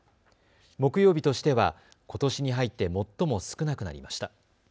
木曜日としては、ことしに入って最も少なくなりました。